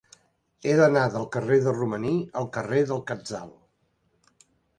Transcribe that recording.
He d'anar del carrer de Romaní al carrer del Quetzal.